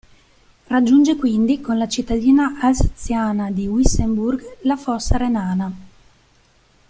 Raggiunge quindi, con la cittadina alsaziana di Wissembourg, la Fossa Renana.